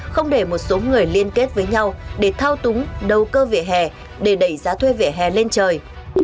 không để một số người liên kết với nhau để thao túng đầu cơ vỉa hè để đẩy giá thuê vỉa hè lên trời